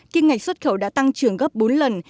kim ngạch xuất khẩu đã tăng trưởng gấp bốn lần